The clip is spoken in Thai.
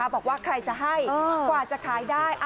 บอกว่าใครจะให้กว่าจะขายได้